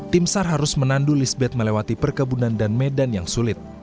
tim sar harus menandu lisbet melewati perkebunan dan medan yang sulit